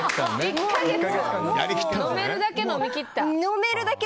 飲めるだけ飲み切った？